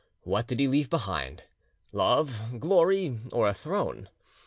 What did he leave behind? Love, glory, or a throne?